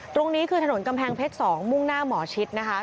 ตรงนี้คือถนนกำแพงเพชร๒มุ่งหน้าหมอชิดนะคะ